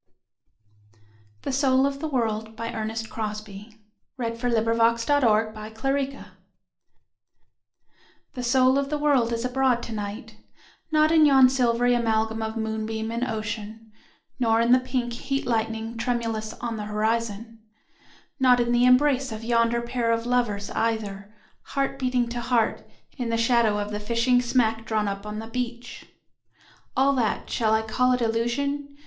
American Anthology, 1787â€"1900. 1900. By ErnestCrosby 1282 The Soul of the World THE SOUL of the world is abroad to night—Not in yon silvery amalgam of moonbeam and ocean, nor in the pink heat lightning tremulous on the horizon; Not in the embrace of yonder pair of lovers either, heart beating to heart in the shadow of the fishing smack drawn up on the beach. All that—shall I call it illusion?